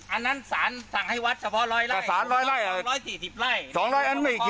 อันนั้นสารสั่งให้วัดเฉพาะรอยไล่